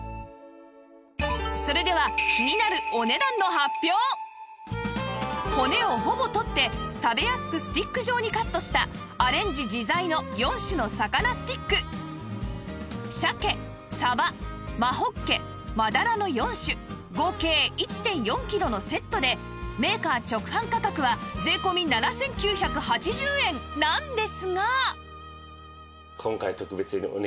それでは骨をほぼ取って食べやすくスティック状にカットしたアレンジ自在の４種の魚スティック鮭鯖真ほっけ真鱈の４種合計 １．４ キロのセットでメーカー直販価格は税込７９８０円なんですが